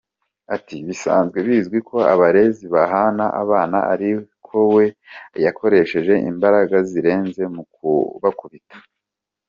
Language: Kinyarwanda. Ati « Bisanzwe bizwi ko abarezi bahana abana, ariko we yakoresheje imbaraga zirenze mu kubakubita.